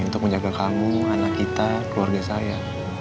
untuk menjaga kamu anak kita keluarga saya